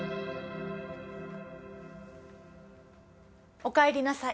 おかえりなさい。